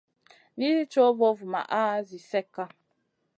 Nizi cow vovumaʼa zi slekka.